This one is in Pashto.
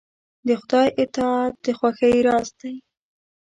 د خدای اطاعت د خوښۍ راز دی.